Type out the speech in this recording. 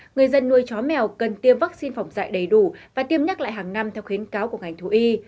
người dân nuôi chó mèo cần tiêm vaccine phòng dạy đầy đủ và tiêm nhắc lại hàng năm theo khuyến cáo của ngành thú y